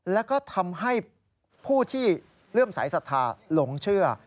แล้วก็ทำให้ผู้ที่เลื่อมสายศรัทธาหลงเชื่อ